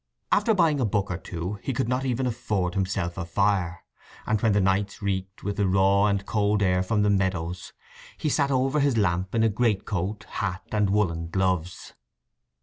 After buying a book or two he could not even afford himself a fire; and when the nights reeked with the raw and cold air from the Meadows he sat over his lamp in a great coat, hat, and woollen gloves.